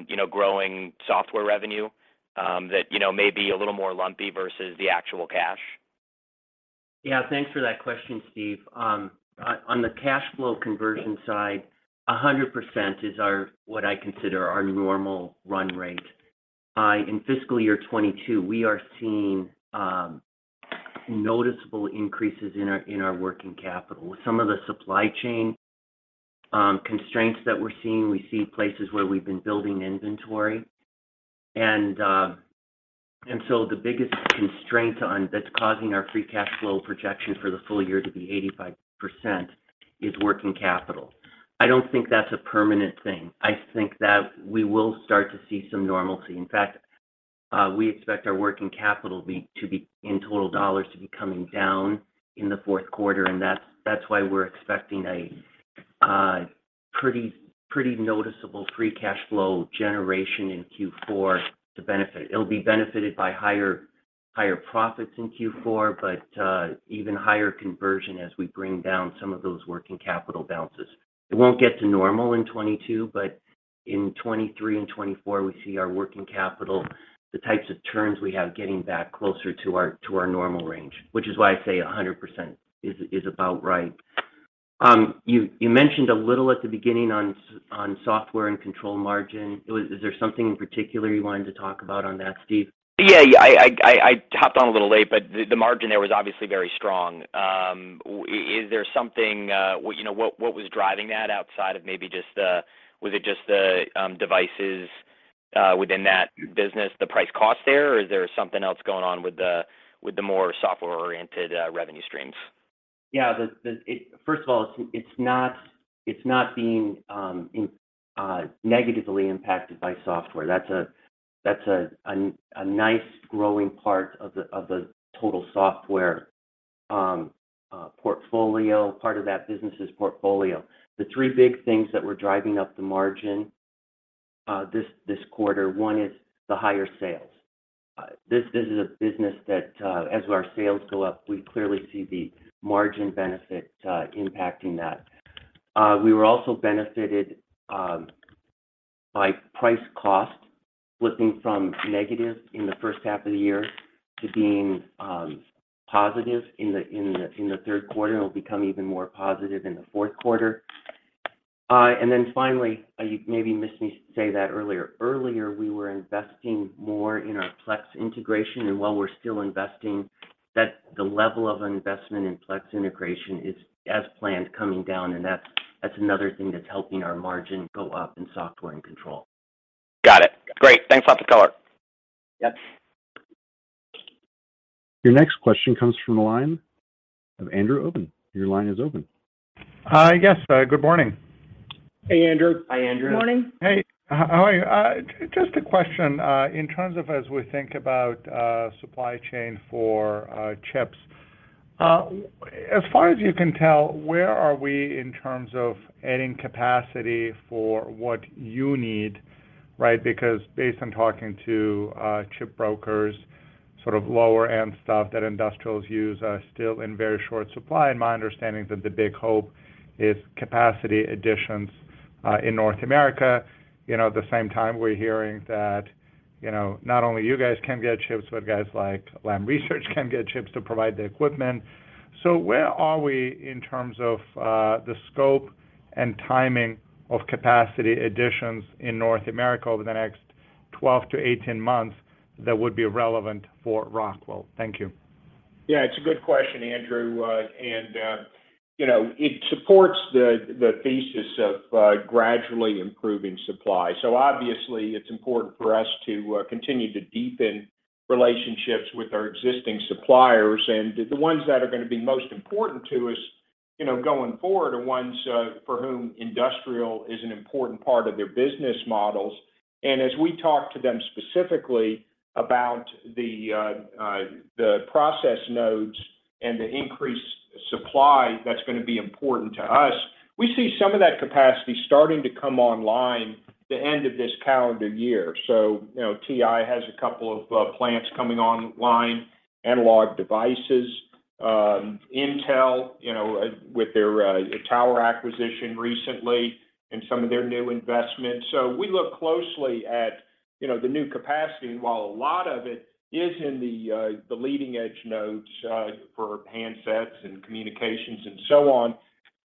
you know, growing software revenue, that, you know, may be a little more lumpy versus the actual cash? Yeah. Thanks for that question, Steve. On the cash flow conversion side, 100% is our, what I consider our normal run rate. In fiscal year 2022, we are seeing noticeable increases in our working capital. With some of the supply chain constraints that we're seeing, we see places where we've been building inventory and so the biggest constraint that's causing our free cash flow projection for the full year to be 85% is working capital. I don't think that's a permanent thing. I think that we will start to see some normalcy. In fact, we expect our working capital to be in total dollars to be coming down in the fourth quarter, and that's why we're expecting a pretty noticeable free cash flow generation in Q4 to benefit. It'll be benefited by higher profits in Q4, but even higher conversion as we bring down some of those working capital balances. It won't get to normal in 2022, but in 2023 and 2024, we see our working capital, the types of turns we have getting back closer to our normal range, which is why I say 100% is about right. You mentioned a little at the beginning on software and control margin. Is there something in particular you wanted to talk about on that, Steve? Yeah. I hopped on a little late, but the margin there was obviously very strong. Is there something, you know, what was driving that outside of maybe just the devices within that business, the price cost there? Was it just the devices within that business, the price cost there? Is there something else going on with the more software-oriented revenue streams? First of all, it's not being negatively impacted by software. That's a nice growing part of the total software portfolio, part of that business' portfolio. The three big things that were driving up the margin this quarter, one is the higher sales. This is a business that as our sales go up, we clearly see the margin benefit impacting that. We were also benefited by price-cost flipping from negative in the first half of the year to being positive in the third quarter. It'll become even more positive in the fourth quarter. Finally, you maybe missed me say that earlier. Earlier, we were investing more in our Plex integration. While we're still investing, that the level of investment in Plex integration is as planned coming down, and that's another thing that's helping our margin go up in software and control. Got it. Great. Thanks a lot for color. Yep. Your next question comes from the line of Andrew Obin. Your line is open. Hi. Yes. Good morning. Hey, Andrew. Hi, Andrew. Morning. Hey. How are you? Just a question. In terms of as we think about, supply chain for, chips, as far as you can tell, where are we in terms of adding capacity for what you need, right? Because based on talking to, chip brokers, sort of lower end stuff that industrials use are still in very short supply, and my understanding that the big hope is capacity additions, in North America. You know, at the same time, we're hearing that, you know, not only you guys can get chips, but guys like Lam Research can get chips to provide the equipment. Where are we in terms of, the scope and timing of capacity additions in North America over the next 12-18 months that would be relevant for Rockwell? Thank you. Yeah, it's a good question, Andrew. You know, it supports the thesis of gradually improving supply. Obviously, it's important for us to continue to deepen relationships with our existing suppliers. The ones that are gonna be most important to us, you know, going forward are ones for whom industrial is an important part of their business models. As we talk to them specifically about the process nodes and the increased supply that's gonna be important to us, we see some of that capacity starting to come online the end of this calendar year. You know, TI has a couple of plants coming online, Analog Devices. Intel, you know, with their Tower Semiconductor acquisition recently and some of their new investments. We look closely at, you know, the new capacity. While a lot of it is in the leading edge nodes for handsets and communications and so on,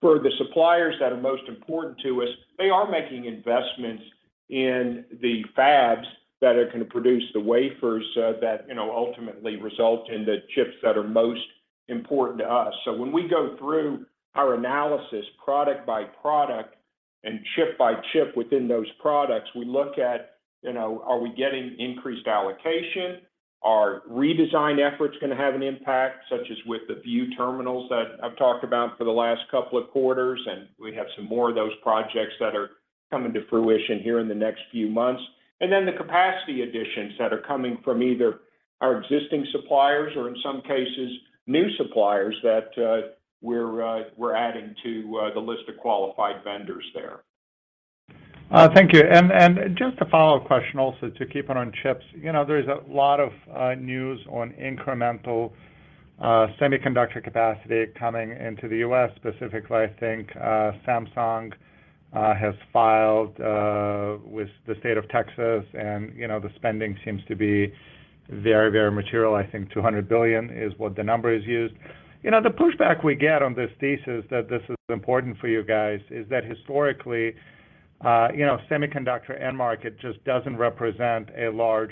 for the suppliers that are most important to us, they are making investments in the fabs that are gonna produce the wafers that you know ultimately result in the chips that are most important to us. When we go through our analysis product by product and chip by chip within those products, we look at you know are we getting increased allocation? Are redesign efforts going to have an impact, such as with the PanelView terminals that I've talked about for the last couple of quarters, and we have some more of those projects that are coming to fruition here in the next few months. The capacity additions that are coming from either our existing suppliers or in some cases, new suppliers that we're adding to the list of qualified vendors there. Thank you. Just a follow-up question also to keep it on chips. You know, there is a lot of news on incremental semiconductor capacity coming into the U.S. Specifically, I think Samsung has filed with the state of Texas and, you know, the spending seems to be very, very material. I think $200 billion is what the number is used. You know, the pushback we get on this thesis that this is important for you guys is that historically, you know, semiconductor end market just doesn't represent a large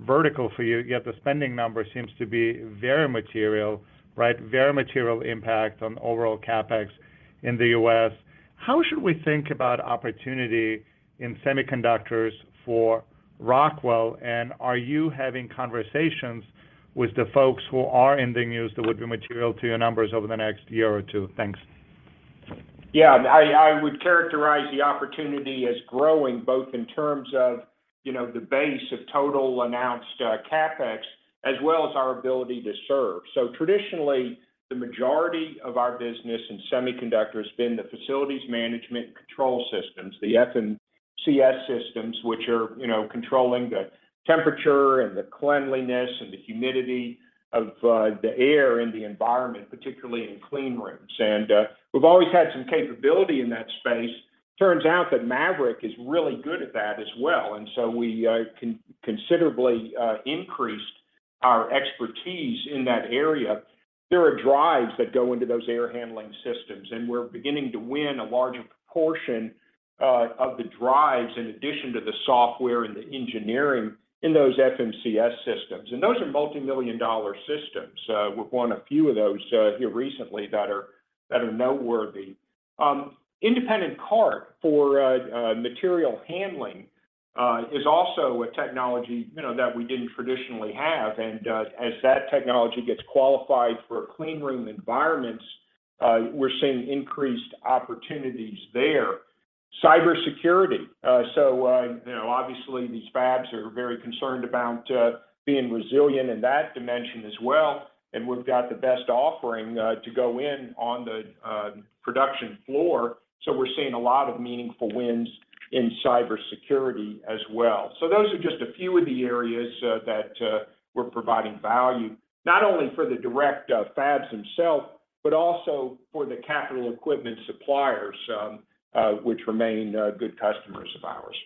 vertical for you, yet the spending number seems to be very material, right? Very material impact on overall CapEx in the U.S. How should we think about opportunity in semiconductors for Rockwell, and are you having conversations with the folks who are in the news that would be material to your numbers over the next year or two? Thanks. Yeah. I would characterize the opportunity as growing, both in terms of, you know, the base of total announced CapEx, as well as our ability to serve. Traditionally, the majority of our business in semiconductor has been the facilities management control systems, the FMCS systems, which are, you know, controlling the temperature and the cleanliness and the humidity of the air in the environment, particularly in clean rooms. We've always had some capability in that space. Turns out that Maverick is really good at that as well, and so we considerably increased our expertise in that area. There are drives that go into those air handling systems, and we're beginning to win a larger proportion of the drives in addition to the software and the engineering in those FMCS systems. Those are multi-million-dollar systems. We've won a few of those here recently that are noteworthy. Independent Cart for material handling is also a technology, you know, that we didn't traditionally have. As that technology gets qualified for clean room environments, we're seeing increased opportunities there. Cybersecurity. You know, obviously these fabs are very concerned about being resilient in that dimension as well, and we've got the best offering to go in on the production floor. We're seeing a lot of meaningful wins in cybersecurity as well. Those are just a few of the areas that we're providing value, not only for the direct fabs themselves, but also for the capital equipment suppliers, which remain good customers of ours.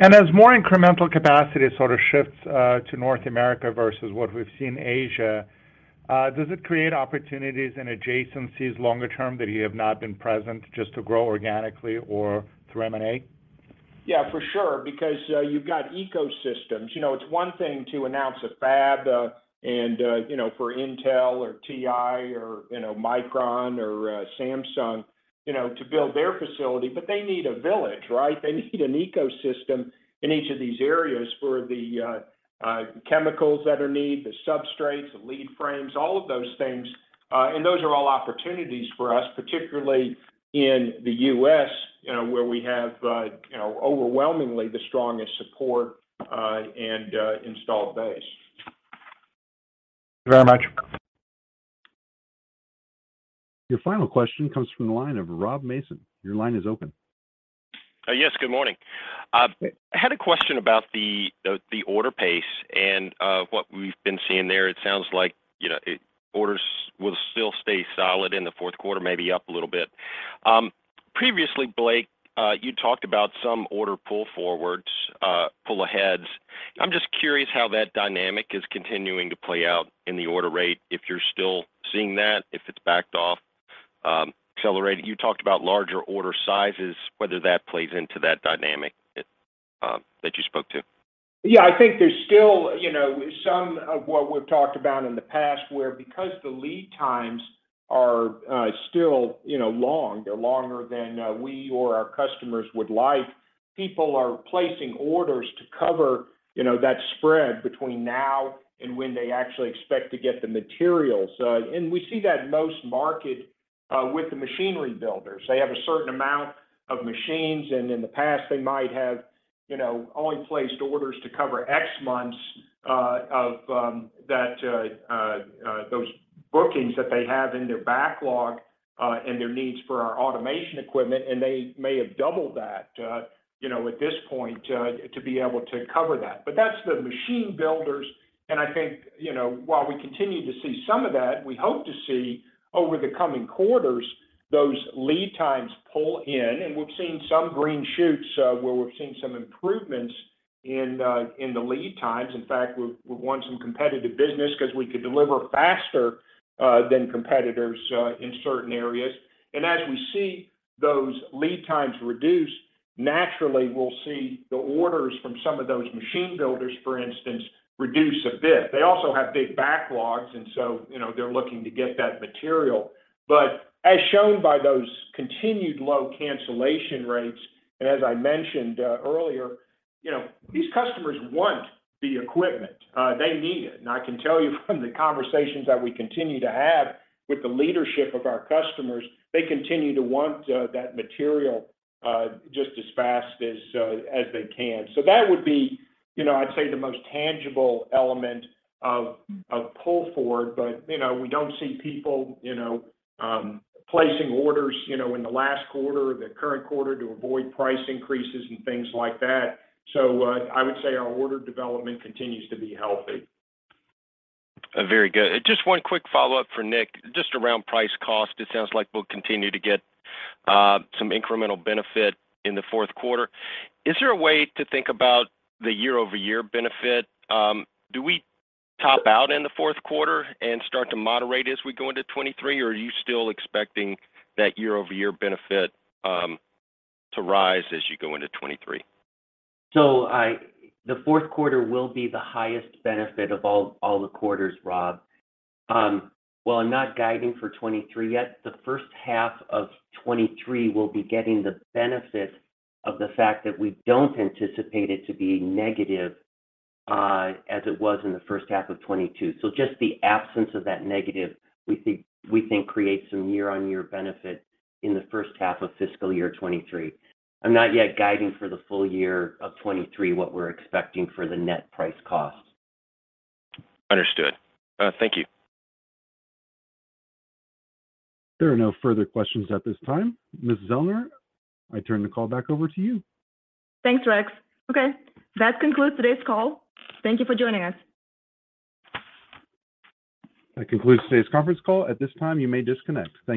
As more incremental capacity sort of shifts to North America versus what we've seen in Asia, does it create opportunities and adjacencies longer term that you have not been present just to grow organically or through M&A? Yeah, for sure, because you've got ecosystems. You know, it's one thing to announce a fab, and you know, for Intel or TI or, you know, Micron or Samsung, you know, to build their facility, but they need a village, right? They need an ecosystem in each of these areas for the chemicals that are needed, the substrates, the lead frames, all of those things. And those are all opportunities for us, particularly in the U.S., you know, where we have, you know, overwhelmingly the strongest support, and installed base. Thank you very much. Your final question comes from the line of Rob Mason. Your line is open. Yes, good morning. I had a question about the order pace and what we've been seeing there. It sounds like, you know, orders will still stay solid in the fourth quarter, maybe up a little bit. Previously, Blake, you talked about some order pull forwards, pull aheads. I'm just curious how that dynamic is continuing to play out in the order rate, if you're still seeing that, if it's backed off, accelerated. You talked about larger order sizes, whether that plays into that dynamic, that you spoke to. Yeah. I think there's still, you know, some of what we've talked about in the past where because the lead times are still, you know, long, they're longer than we or our customers would like, people are placing orders to cover, you know, that spread between now and when they actually expect to get the materials. We see that most markedly with the machinery builders. They have a certain amount of machines, and in the past, they might have, you know, only placed orders to cover X months of those bookings that they have in their backlog, and their needs for our automation equipment, and they may have doubled that, you know, at this point, to be able to cover that. That's the machine builders, and I think, you know, while we continue to see some of that, we hope to see over the coming quarters, those lead times pull in. We've seen some green shoots, where we've seen some improvements in the lead times. In fact, we've won some competitive business 'cause we could deliver faster than competitors in certain areas. As we see those lead times reduce. Naturally, we'll see the orders from some of those machine builders, for instance, reduce a bit. They also have big backlogs, and so, you know, they're looking to get that material. As shown by those continued low cancellation rates, and as I mentioned earlier, you know, these customers want the equipment. They need it. I can tell you from the conversations that we continue to have with the leadership of our customers, they continue to want that material just as fast as they can. That would be, you know, I'd say the most tangible element of pull-forward, but, you know, we don't see people placing orders in the last quarter or the current quarter to avoid price increases and things like that. I would say our order development continues to be healthy. Very good. Just one quick follow-up for Nick, just around price cost. It sounds like we'll continue to get some incremental benefit in the fourth quarter. Is there a way to think about the year-over-year benefit? Do we top out in the fourth quarter and start to moderate as we go into 2023, or are you still expecting that year-over-year benefit to rise as you go into 2023? The fourth quarter will be the highest benefit of all the quarters, Rob. While I'm not guiding for 2023 yet, the first half of 2023 will be getting the benefit of the fact that we don't anticipate it to be negative, as it was in the first half of 2022. Just the absence of that negative, we think, creates some year-on-year benefit in the first half of fiscal year 2023. I'm not yet guiding for the full year of 2023 what we're expecting for the net price cost. Understood. Thank you. There are no further questions at this time. Ms. Zellner, I turn the call back over to you. Thanks, Rex. Okay. That concludes today's call. Thank you for joining us. That concludes today's conference call. At this time, you may disconnect. Thank you.